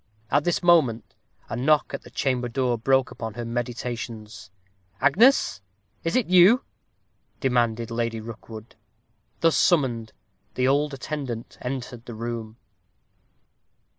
At this moment a knock at the chamber door broke upon her meditations. "Agnes, is it you?" demanded Lady Rookwood. Thus summoned, the old attendant entered the room.